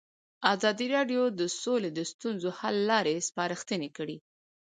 ازادي راډیو د سوله د ستونزو حل لارې سپارښتنې کړي.